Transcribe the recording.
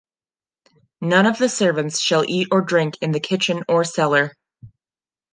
None of the servants shall eat or drink in the kitchen or cellar.